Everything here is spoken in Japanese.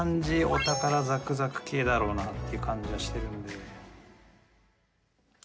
お宝ザクサク系だろうなっていう感じがしてるんで。